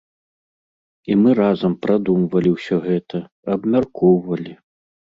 І мы разам прадумвалі ўсё гэта, абмяркоўвалі.